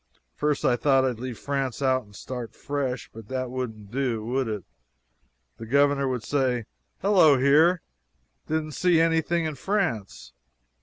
First I thought I'd leave France out and start fresh. But that wouldn't do, would it? The governor would say, 'Hello, here didn't see anything in France?